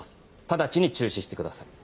直ちに中止してください。